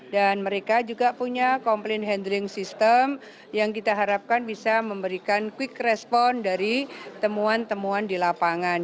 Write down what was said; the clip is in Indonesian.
dan mereka juga punya komplain handling system yang kita harapkan bisa memberikan quick response dari temuan temuan di lapangan